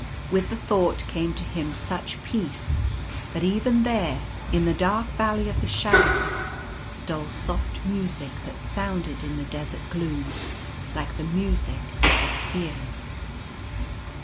With the thought came to him such peace that even there — in the dark Valley of the Shadow — stole soft music that sounded in the desert gloom like the Music of the Spheres.